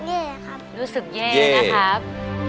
น้องแคร์ทำเพื่อแม่ได้สบายแล้วครับ